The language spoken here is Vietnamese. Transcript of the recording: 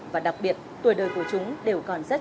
và đặc biệt tuổi đời của chúng đều còn rất trẻ